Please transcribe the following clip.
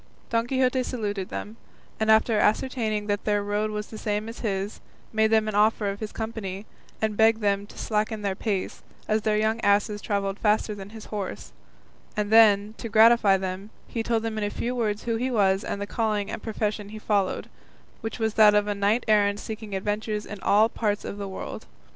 Don Quixote saluted them, and after ascertaining that their road was the same as his, made them an offer of his company, and begged them to slacken their pace, as their young asses travelled faster than his horse; and then, to gratify them, he told them in a few words who he was and the calling and profession he followed, which was that of a knight errant seeking adventures in all parts of the world.